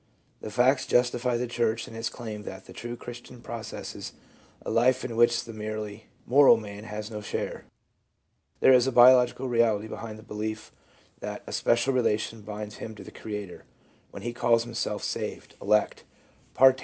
The facts justify the church in its claim that the true Christian possesses a life in which the merely moral man has no share. There is a biological reality behind the belief that a special relation binds him to the Creator; when he calls himself "saved," "elect," "partaker in 1 From the writings of the Rev. Stephen Charnock, D.